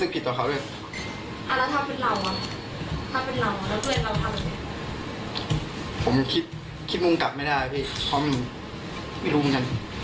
ผมคิดดูกลับไม่ได้เพราะไม่รู้จัง